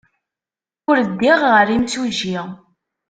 Ur ddiɣ ɣer yimsujji.